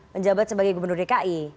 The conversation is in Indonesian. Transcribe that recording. menjabat sebagai gubernur dki